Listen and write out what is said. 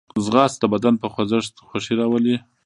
ځغاسته د بدن په خوځښت خوښي راولي